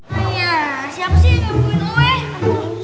ya siapa sih yang ngamuin lu eh